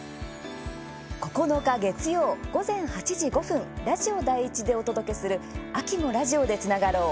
９日、月曜、午前８時５分ラジオ第１でお届けする「秋もラジオでつながろう！